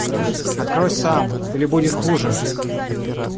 – Открой сам, или будет хуже!